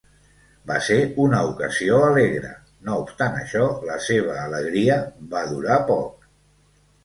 Va ser una ocasió alegre, no obstant això la seva alegria va durar poc.